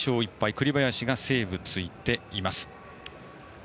栗林にセーブがついています。